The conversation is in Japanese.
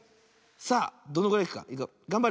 さあどんぐらいいくか。